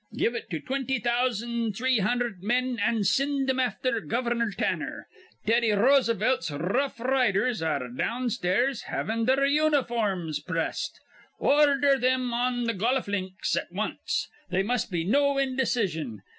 Give it to twinty thousand three hundherd men, an' sind thim afther Gov'nor Tanner. Teddy Rosenfelt's r rough r riders ar re downstairs, havin' their uniforms pressed. Ordher thim to th' goluf links at wanst. They must be no indecision.